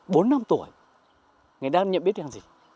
bốn năm tuổi người ta nhận biết rằng gì